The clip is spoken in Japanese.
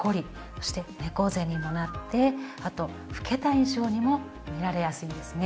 そして猫背にもなってあと老けた印象にも見られやすいんですね。